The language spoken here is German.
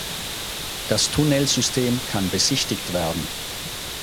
Das Tunnelsystem kann besichtigt werden.